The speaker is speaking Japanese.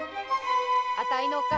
あたいのおっか